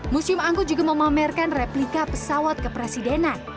museum angkut juga memamerkan replika pesawat kepresidenan